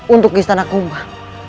untuk istana kumbang